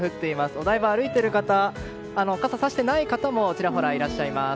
お台場、歩いている方傘をさしていない方もちらほらいらっしゃいます。